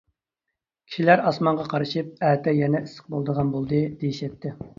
كىشىلەر ئاسمانغا قارىشىپ، ئەتە يەنە ئىسسىق بولىدىغان بولدى، دېيىشەتتى.